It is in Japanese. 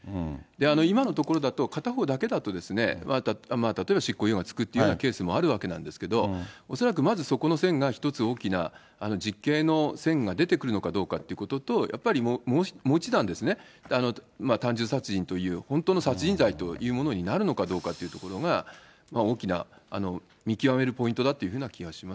今のところだと、片方だけだとですね、例えば執行猶予が付くっていうようなケースもあるわけなんですけれども、恐らくまずそこの線が一つ大きな、実刑の線が出てくるのかどうかということと、やっぱりもう一段ですね、単純殺人という、本当の殺人罪というものになるのかどうかというところが、大きな見極めるポイントだというふうな気がします。